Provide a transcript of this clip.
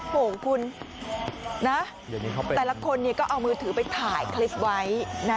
โอ้โหคุณนะแต่ละคนก็เอามือถือไปถ่ายคลิปไว้นะ